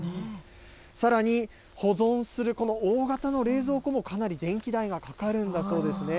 さらに、保存するこの大型の冷蔵庫もかなり電気代はかかるんだそうですね。